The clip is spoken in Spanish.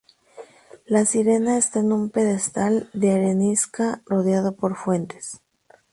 La sirena está en un pedestal de arenisca rodeado por fuentes.